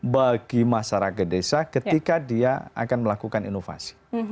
bagi masyarakat desa ketika dia akan melakukan inovasi